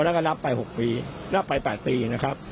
แล้วก็นับไป๖ปีนับไป๘ปีนะครับ